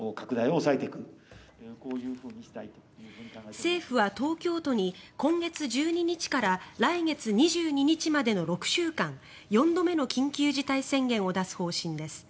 政府は東京都に今月１２日から来月２２日までの６週間４度目の緊急事態宣言を出す方針です。